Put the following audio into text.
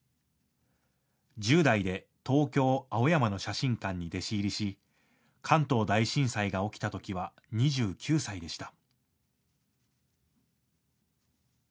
１０代で東京・青山の写真館に弟子入りし、関東大震災が起きたときは２９歳でした。